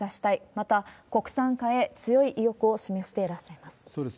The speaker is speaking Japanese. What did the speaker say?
また、国産化へ強い意欲を示していらっしゃいます。